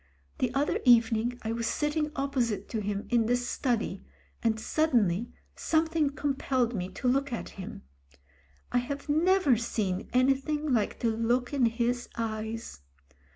The other evening I was sitting opposite to him in the study, and suddenly something compelled me to look at him. I have never seen any thing like the look in his eyes.